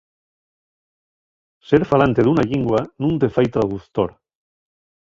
Ser falante d'una llingua nun te fai traductor.